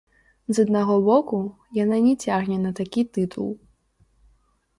З аднаго боку, яна не цягне на такі тытул.